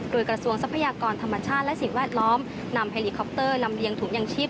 โดยกระทรวงทรัพยากรธรรมชาติและสิ่งแวดล้อมนำเฮลิคอปเตอร์ลำเลียงถุงยังชีพ